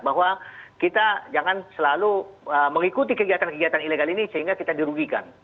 bahwa kita jangan selalu mengikuti kegiatan kegiatan ilegal ini sehingga kita dirugikan